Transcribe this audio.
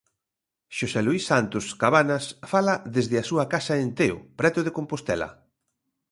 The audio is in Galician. Xosé Luís Santos Cabanas fala desde a súa casa en Teo, preto de Compostela.